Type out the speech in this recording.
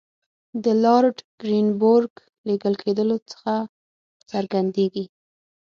د لارډ کرېنبروک لېږل کېدلو څخه څرګندېږي.